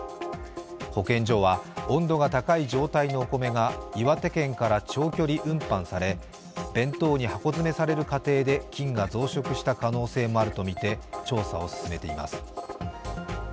保健所は温度が高い状態のお米が岩手県から長距離運搬され弁当に箱詰めされる過程で菌が増殖した可能性もあるとみて、調査を進めています。